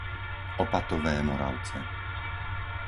Opatové Moravce